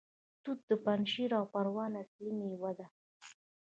توت د پنجشیر او پروان اصلي میوه ده.